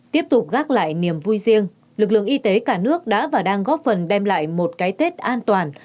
tiếp tục gác lại niềm vui riêng lực lượng y tế cả nước đã và đang góp phần đem lại một cái tết an toàn